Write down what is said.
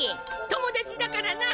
友だちだからな。